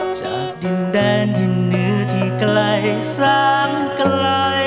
จากดินแดนดินเหนือที่ไกลสามไกล